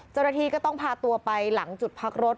เจ้าหน้าที่ก็ต้องพาตัวไปหลังจุดพักรถ